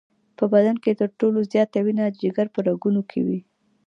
په بدن کې تر ټولو زیاته وینه د جگر په رګونو کې وي.